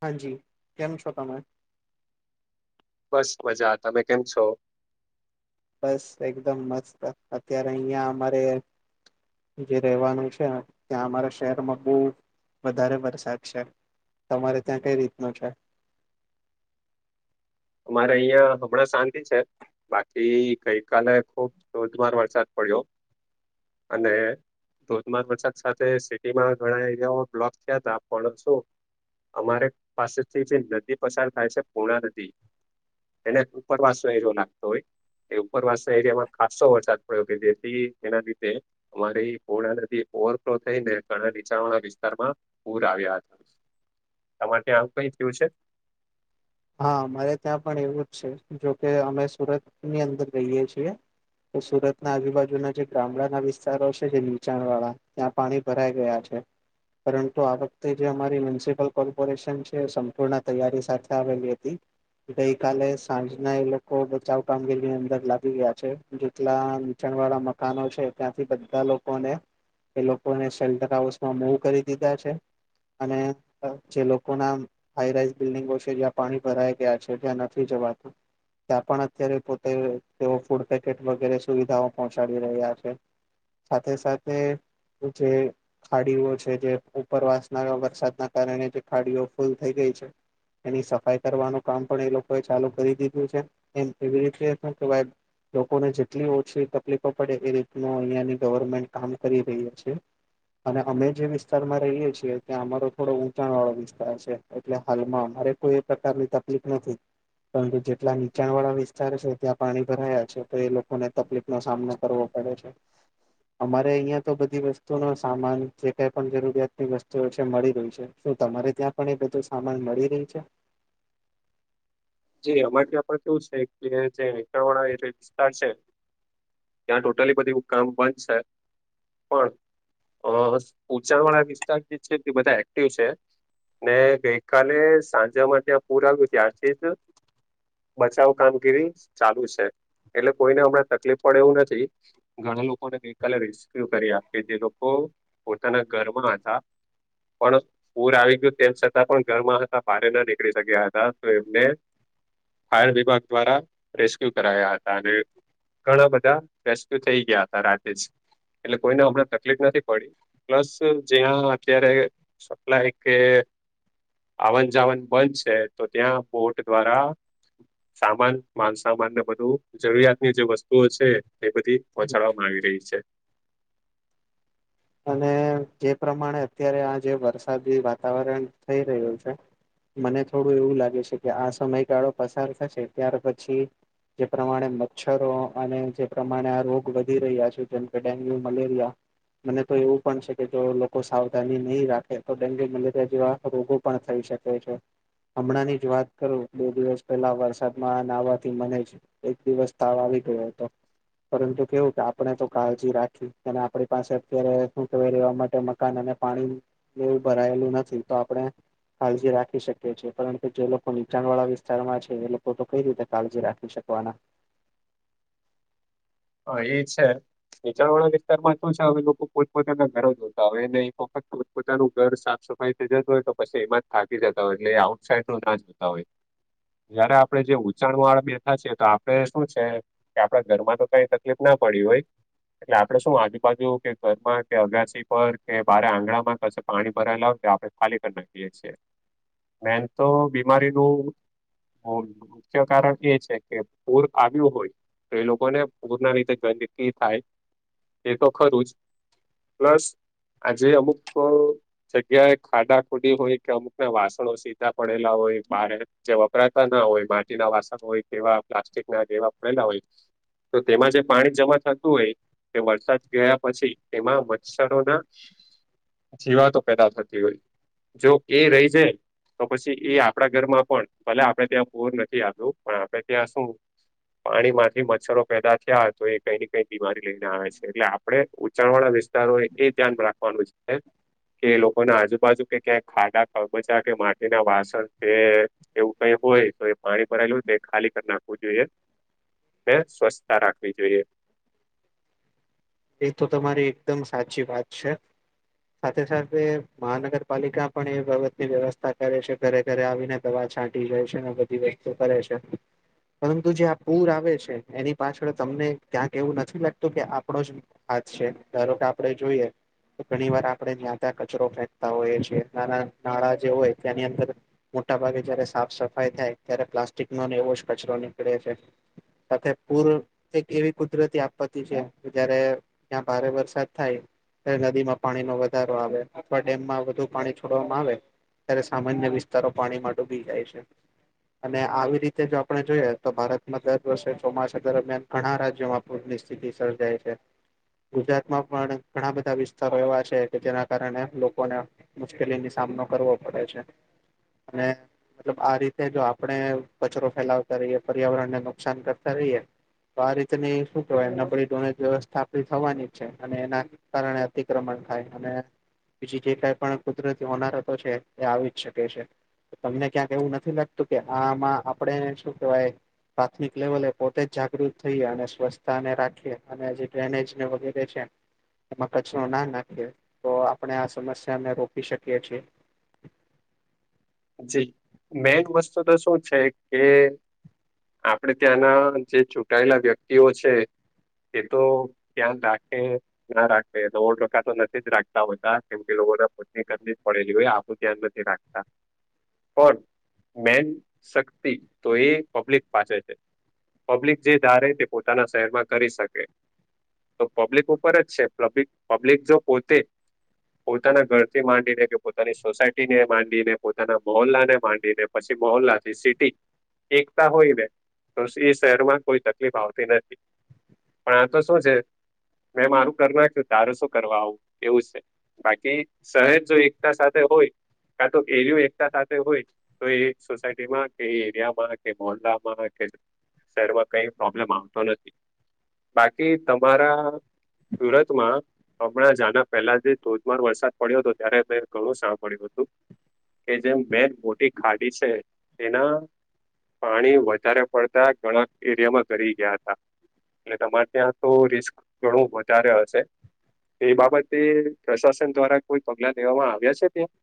હાજી કનું છોતામાં બસ મઝા. તમે કેમ છો? બસ એકદમ મસ્ત. અત્યારે અહિયાં અમારે જે રવાનું છે. ત્યાં અમારા શહેરમાં બો વધારે વરસાદ છે. તમારે ત્યાં કઈ રીત નો છે? અમારે અહિયાં હમણાં શાંતિ છે. બાકી ગઈકાલે ખુબ ધોધમાર વરસાદ પડ્યો. અને ધોધમાર વરસાદ સાથે સિટીમાં ઘણા એરિયાઓ બ્લોક થયા હતા. પણ શું, અમારે પાસેથી જે નદી પસાર થાય છે. પુણા નદી એણે ઉપરવાસો એરિયો લાગતો હોય. એ ઉપરવાસના એરિયામાં ખાાસસો વરસાદ પડ્યો. કે જેથી એના લીધે, અમારી પૂર્ણા નદી ઓવરફ્લો થઈ ને ઘણા નીચાણવાળા વિસ્તારમાં, પૂર આવ્યા હતા. તમારે ત્યાં આવું કઈ થયું છે? હા અમારે ત્યાં પણ એવું જ છે. જોકે, અમે સુરતની અંદર રહીયએ છીએ. તો સુરતના આજુ-બાજુના જે ગામડાના વિસ્તારો છે, જે નીચાણ વાળા. ત્યાં પાણી ભરાઈ ગયા છે. પરંતુ, આ વખતે જે અમારી મ્યુનિસિપલ કોર્પોરેશન છે. એ સંપૂર્ણ તૈયારી સાથે આવેલી હતી. ગઈકાલે સાંજના એ લોકો બચાવ કામગીરીની અંદર લાગી ગયા છે. જેટલા નીચાણ વાળા મકાનો છે. ત્યાંથી બધા લોકોને એ લોકોને શેલ્ટર હાઉસમાં મુવ કરી દીધા છે. અને જે લોકો ના હાઈરાઈસ બિલ્ડંગો છે, કે જ્યાં પાણી ભરાઈ ગયા છે. ત્યાં નથી જવાતું. ત્યાં પણ અત્યારે પોતે, તેઓ ફૂડ પેકેટ વગેરે સુવિધાઓ પહોંચાડી રહ્યા છે. સાથે સાથે જે, ખાડીઓ છે. જે ઉપરવાસ ના વરસાદના કારણે જે ખાડીઓ ફૂલ થઈ ગઈ છે. એની સફાઈ કરવાનું કામ પણ એ લોકો એ ચાલુ કરી દીધું છે. એમ એવી રીતે હું કેવાય લોકોને જેટલી ઓછી તકલીફો પડે. એ રીતની અહિયાંની ગવર્મેન્ટ કામ કરી રહ્યાં છે. અને અમે જે વિસ્તારમાં રહીએ છીએ. ત્યાં અમારો થોડો ઊંચાણ વાળો વિસ્તાર છે. એટલે હાલમાં અમારે, કોઈ એ પ્રકારની તકલીફ નથી. પરંતુ જેટલા નીચાણ વાળા વિસ્તાર છે. ત્યાં પાણી ભરાયા છે. તો એ લોકોને તકલીફ નો સામનો કરવો પડે. અચ્છા. [unintelligible] અમારે અયા તો બધી વસ્તુનો સામાન જે કઈ પણ જરૂરિયાતની વસ્તુ હોય છે મળી રહી છે. શું તમારે ત્યાં પણ એ બધું સામાન મળી રહી છે? જી અમાથી આપે કેવું છે કે, જે હેટા વાળા એ વિસ્તાર છે. ત્યાં ટોટલી બધી કામ બંધ છે. પણ અ ઉચાણ વાળા વિસ્તાર જે છે. તે બધા એક્ટિવ છે. ને ગઈ કાલે સાંજે અમારે ત્યાં પૂર આવ્યું. ત્યારથી જ બચાવ કામગીરી ચાલુ છે. એટલે કોઈને હમણાં તકલીફ પડે એવું નથી. ઘણા લોકોને ગઈકાલે રેસ્ક્યુ કર્યા. કે જે લોકો પોતાના ઘરમાં હતા. પણ પૂર આવી ગયું, તેમ છતાં પણ ઘરમાં હતા. બારે ના નીકળી શક્યા હતા. તો એમને ફાયર વિભાગ દ્વારા રેસ્ક્યુ કરાયા હતા. અને ઘણા બધા રેસ્ક્યુ થઈ ગયા હતા રાતે જ. એટલે કોઈને હમણાં તકલીફ નથી પડી. પ્લસ. જ્યાં અત્યારે સપ્લાય કે, આવન-જાવન બંધ છે. તો ત્યાં બોટ દ્વારા સામાન માન-સામાન ને બધું જરૂરિયાતની જે વસ્તુઓ છે. એ બધી પહોંચાડવામાં આવી રહી છે. અને જે પ્રમાણે અત્યારે આ જે વરસાદી વાતાવરણ થઈ રહ્યું છે. મને થોડું એવું લાગે છે કે, આ સમયગાળો પસાર થશે ત્યાર પછી, જે પ્રમાણે મચ્છરો અને જે પ્રમાણે આ રોગ વધી રહ્યા છે. જેમકે ડેન્ગ્યુ, મલેરિયા, મને તો એવું પણ છે કે, જો લોકો સાવધાની નહી રાખે. તો ડેન્ગ્યુ, મલેરિયા જેવા રોગો પણ થઈ શકે છે. હમણાંની જ વાત કરું, બે દિવસ પહેલા વરસાદ માં આ નહવાથી મને જ એક દિવસ તાવ આવી ગયો હતો. પરંતુ કેવું, કે આપણે તો કાળજી રાખી અને આપણી પાસે અત્યારે શું કહેવાય, રહેેવા માટે મકાન અને પાણીનું ભરાયેલું નથી. તો આપણે કાળજી રાખી શકે છીએ, પરંતુ જે લોકો નીચાણ વાળા વિસ્તારમાં છે, એ લોકો તો કઈ રીતે કાળજી રાખી શકવાના. હા એ છે. નીચાણવાળા વિસ્તારમાં શું છે? હવે, લોકો પોતપોતાના ઘરો જોતા. હવેને ફત પોતાનું ઘર સાફ સફાઈ થઈ જતું હોય તો પછી એમાં જ થાકી જતા હોય. એટલે એ આઉટ સાઇડનું ના જ હોતા હોય. જયારે આપડે જે ઉંચાણુંવાળા બેઠા છીએ, તો આપડે શું છે, કે આપડા ઘરમાંનું કઈ તકલીફના પડી હોય એટલે આપડે શું, આજુબાજુ કે ઘરમાં કે અગાસી પર કે બારે આંગણામાં કશે પાણી ભરાયેલા હોય તો આપણે ખાલી કરી નાખીએ છીએ. મેન તો બીમારીનું મુખ્ય કારણ એ છે કે પૂર આવ્યું હોય, તો એ લોકોને પૂરના રીતે જોઈતિ થાય, એ તો ખરું જ પ્લસ આજે અમુક જગ્યાએ ખાડા ખુદી હોય કે અમુક વાસણો સીધા પડેલા હોય બારે જે વપરાતા ના હોય, માટીના વાસણ હોય કેવા પ્લાસ્ટિકના જેવા પડેલા હોય. તો તેમાં જે પાણી જમા થતું હોય કે વરસાદ ગયા પછી, એમાં મચ્છરોના જીવાતો પેદા થતી હોય. જો એ રહી જાય તો પછી એ આપડા ઘરમાં પણ ભલે આપડે ત્યાં પૂર નથી આવ્યું, પણ આપે ત્યાં શું પાણીમાંથી મચ્છરો પેદા થયા, તો એ કઈ ને કઈ બીમારી લઈ ને આવે છે. એટલે આપડે ઉંચાણ વાળા વિસ્તાર વિસ્તારોએ એ ધ્યાન રાખવાનું છે. કે એ લોકોના આજુબાજુ કે ક્યાંક ખાડા કબચા કે માટીના વાસણ એ એવું કઈ હોય, તો એ પાણી ભરાયેલું એ ખાલી કરી નાખવું જોઈએ. [inaudible] સ્વસ તા રાખવી જોઈએ. એ તો તમારી એકદમ સાચી વાત છે. સાથે સાથે મહાનગરપાલિકા પણ એ બાબતની વ્યવસ્થા કરે છે. ઘરે ઘરે આવીને દવા છાંટી જાય છે, ને બધી વસ્તુ કરે છે. પરંતુ જે આ પૂર આવે છે, એની પાછળ તમને ક્યાંક એવું નથી લાગતું કે આપણો જ આજ છે? ધારો કે આપડે જોઈએ ઘણીવાર આપણે ત્યાં, ત્યાં કચરો ફેંકતા હોઈએ છીએ. નાના નાળા જે હોય, ત્યાંની અંદર મોટા ભાગે જયારે સાફ સફાઈ થાય ત્યારે પ્લાસ્ટિકનોને એવો જ કચરો નીકળે છે. સાથે પૂર એક એવી કુદરતી આપત્તિ છે, જયારે ત્યાં ભારે વરસાદ થાય નદીમાં પાણીનો વધારો આવે અથવા ડેમમાં વધુ પાણી છોડવામાં આવે ત્યારે સામાન્ય વિસ્તારો પાણીમાં ડૂબી જાય છે. અને આવી રીતે જો આપણે જોઈએ, તો ભારતમાં દર વર્ષે ચોમાસા દરમિયાન ઘણા રાજ્યોમાં પૂરની સ્થિતિ સર્જાય છે. ગુજરાતમાં પણ ઘણા બધા વિસ્તારો એવા છે, કે જેના કારણે લોકોને મુશ્કેલીની સામનો કરવો પડે છે અને તો આ રીતે જો આપણે કચરો ફેલાવતા રહીએ, પર્યાવરણ ને નુકસાન કરતા રહીએ તો આ રીતેની શું કેવાયમ બડી ડોનેજ વ્યવસ્થા થવાની છે અને એના કારણે અતિક્રમણ થાય અને બીજી જે કઈ પણ કુદરતી હોનારતો છે, એ આવી જ શકે છે. તમને ક્યાંક એવું નથી લાગતું, કે આમાં આપણેે શું કેવાય પ્રાથમિક લેવલે પોતે જ જાગૃત થઈએ અને સ્વચ્છતાને રાખીએ અને જે ડ્રેનેજ ને વગેરે છે એમાં કચરો ના નાખે, તો આપણે આ સમસ્યાને રોકી શકીએ છીએ. જી મેન વસ્તુ તો શું છે કે આપડે ત્યાંના જે ચૂંટાયેલા વ્યક્તિઓ છે. એ તો ધ્યાન રાખે ના રાખે તો ઓ રકા તો નથી રાખતા હોતા કેમ કે લોકો જ પડેલી હોય આપું ધ્યાન નથી રાખતા પણ મેન શક્તિ તો એ પબ્લિક પાસે છે. પબ્લિક જે ધારે તે પોતાના શહેરમાં કરી શકે તો પબ્લિક ઉપર જ છે, પલિક પબ્લિક જો પોતે પોતાના ઘરથી માંડીને કે પોતાની સોસાયટી ને માંડીને પોતાના મહોલ્લા ને માંડીને પછી મહોલ્લા થી સિટી એકતા હોય બે તો એ શહેરમાં કોઈ તકલીફ આવતી નથી. પણ આ તો શું છે મેં મારું કરી નાખ્યું તારું શું કરવા આવું એવું છે. બાકી સહેજ જો એકતા સાથે હોય કા તો એરિયો એકતા સાથે હોય તો એ સોસાયટીમાં કે એરિયામાં કે મોલામાં કે શહેરમાં કઈ પ્રોબ્લેમ આવતો નથી બાકી તમારા શવરા તમા હમણાં જના પહેલા જે ધોધમાર વરસાદ પડ્યો હતો ત્યારે મે ઘણું સાવ પડ્યું હતુ. કે જેમ બે મોટી ખાડી છે, એના પાણી વધારે પડતા ઘણા એરિયામાં ઘરી ગયા હતા. એટલે તમારે ત્યાં તો રિસ્ક ઘણું વધારે હશે. એ બાબતે પ્રશાસન દ્વારા કોઈ પગલા લેવામાં આવ્યા છે, ત્યાં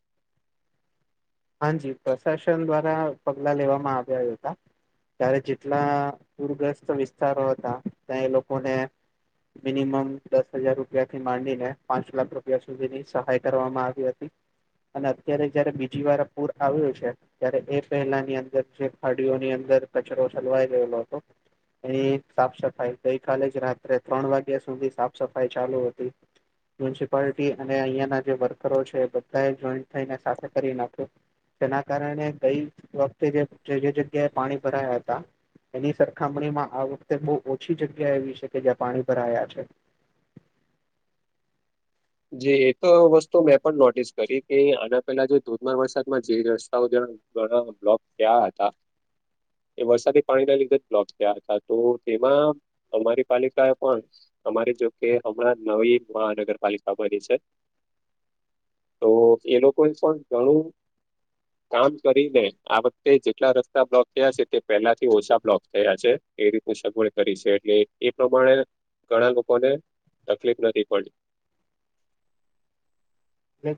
હાજી પ્રશાસન દ્વારા પગલા લેવામાં આવ્યા હતા. ત્યારે જેટલા પૂરગ્રસ્ત વિસ્તારો હતા ત્યાં એ લોકોને મિનિમમ દસ હજાર રૂપિયા થી માંડીને પાંચ લાખ રૂપિયા સુધીની સહાય કરવામાં આવી હતી. અને અત્યારે જયારે બીજી વાર પૂર આવ્યું છે. ત્યારે એ પહેલાની અંદર જે ખાડીઓની અંદર કચરો ચલવાઈ રહેલો હતો. એની સાફ સફાઈ ગઈકાલે જ રાત્રે ત્રણ વાગ્યા સુધી સાફ સફાઈ ચાલુ હતી મ્યુનિસિપાલિટી અને અહીંયાનાં જે વર્કરો છે, બધા જોઈન્ટ થઈને સાથે કરી નાખ્યો તેના કારણે ગઈ વખતે જે જે જગ્યાએ પાણી ભરાયા હતા. એની સરખામણીમાં આ વખતે બહુ ઓછી જગ્યા એવી છે, કે જ્યાં પાણી ભરાયા છે. જેી એ તો વસ્તુ મેં પણ નોટિસ કરી કે આના પેલા જે ધોધમાર વરસાદમાં જે રસ્તાઓ જણ. ઘણા બ્લોક તયા હતા. એ વરસાદી પાણીના લીધે બ્લોક થયા, હતા તો તેમાં અમારી પાલિકા એ પણ અમારી જોકે હમણાં નવી મહાનગરપાલિકામાંની છે. તો એ લોકોએ પણ ઘણુ કામ કરીને આ વખતે જેટલા રસ્તા બ્લોક થયા છે, તે પહેલાથી ઓછા બ્લોક થયા છે. એ રીતનું સગવડ કરી છે, એટલે એ પ્રમાણે ઘણા લોકોને તકલીફ નથી પડીતી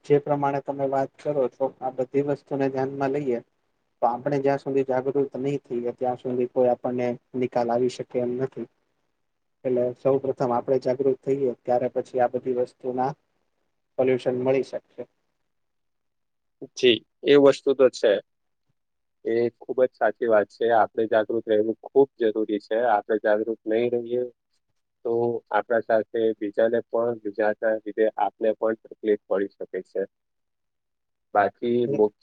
જે પ્રમાણે તમે વાત કરો છો, આ બધી વસ્તુને ધ્યાન માં લઈએ તો આપણે જ્યાં સુધી જાગૃત નહી, થઈ ત્યાં સુધી કોઈ આપણને નિકાલ આવી શકે એમ નથી. એટલે સૌ પ્રથમ આપડે જાગૃત થઈએ, ત્યારે પછી આ બધી વસ્તુના સલ્યુશન મળી શકશે જી એ વસ્તુ તો છે. એ ખુબ જ સાચી વાત છે આપડે જાગૃત રહેવું ખુબ જરૂરી છે આપડે જાગૃત નહી રહીએ. તો આપણા સાથે બીજાને પણ બીજા ના લીધે આપને પણ તકલીફ પડી શકે છે. બાકી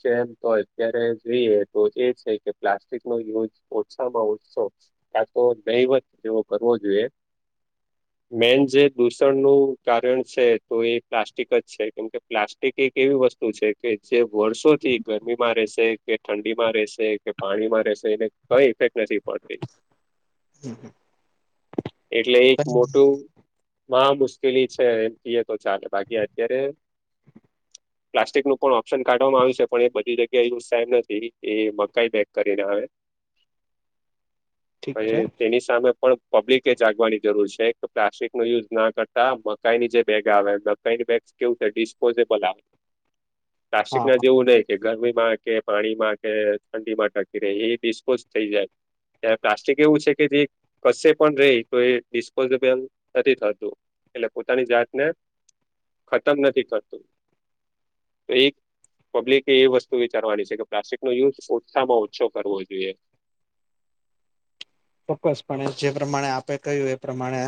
જેમ તો અત્યારે જોઈએ તો એ છે, કે પ્લાસ્ટિક નો યુઝ ઓછામાં ઓછો ક્યાં તો દૈવત જેવો કરવો જોઈએ. મેન જે દૂષણનું કારણ છે તો એ પ્લાસ્ટિક જ છે, કેમકે પ્લાસ્ટ એ કઈ એક એવી વસ્તુ છે. કે જે વર્ષોથી ગરમી માં રહેશે કે ઠંડી માં રહેશે કે પાણીમાં રહેશે એને કઈ ઇફેક્ટ નથી પહતી. હમ હમ એટલે એક મોટું માં મુશ્કેલી છે એમ કએ તો ચાલે બાકી અત્યારે પ્લાસ્ટિક નું પણ ઓપ્શન કાઢવામાં આવ્યું છે પણ એ બધી જગ્યા યુઝ સામ નથી એ મકાઈ પેક કરીને આવે ઠીક છે તેની સામે પણ પબ્લિકે જાગવાની જરૂર છે કે પ્લાસ્ટિક નો યુઝ ના કરતા મકાઈની જે બેગ આવે બેગ કેવું છે ડિસ્પોઝેબલ આવે પ્લાસ્ટિક હા ના હા જેવું લે કે ગરમીમાં કે પાણીમાં કે ઠંડી માં ટકી રહે એ બિસ્ફોસ થઈ જાય ત્યારે પ્લાસ્ટિક એવું છે કે જે કશે પણ રહી તો એ ડિસ્પોઝેબલ નથી થતું. એટલે પોતાની જાત ને ખતમ નથી કરતું. તો એક પબ્લિક એ વસ્તુ વિચારવાની છે કે પ્. લાસ્ટિક નો યુઝ ઓછામાં ઓછો કરવો જોઈએ ચોક્કસપ જે પ્રમાણે આપે કહ્યું એ પ્રમાણે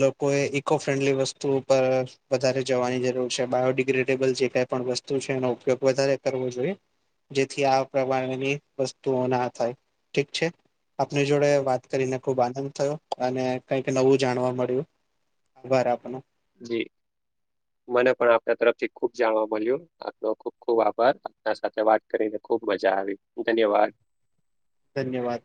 લોકો એ ઇકો ફ્રેન્ડલી વસ્તુ પરર વધારે જવાની જરૂર છે બાયોડિગ્રેડેબલ જે ક પણ વસ્તુ છે એનો ઉપયોગ વધારે કરવો જોઈએ. જેથી આ પ્રમાણેની વસ્તુઓ ના થાય ઠીક છે આપની જોડે વાત કરીને ખુબ આનંદ થયો અને કઈક નવું જાણવા મળ્યું આભાર આપનો જી મને પણ આપણા તરફથી ખુબ જાણવા મળ્યું. આપનો ખુબ ખુબ આભાર આપના સાથે વાત કરીને ખુબ મજા આવી ધન્યવાદ ધન્યવાદ